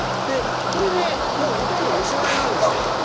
これでもうほとんどおしまいなんですよ。